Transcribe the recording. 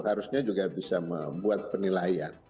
harusnya juga bisa membuat penilaian